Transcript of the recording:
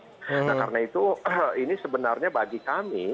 nah karena itu ini sebenarnya bagi kami